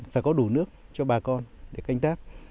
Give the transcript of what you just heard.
phải có đủ nước cho bà con để canh tác